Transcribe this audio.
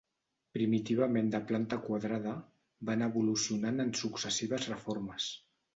Primitivament de planta quadrada, va anar evolucionant en successives reformes.